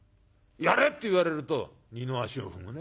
『やれ』って言われると二の足を踏むね。